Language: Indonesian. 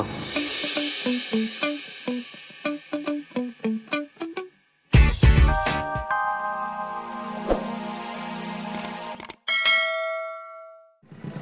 tidak tidak tidak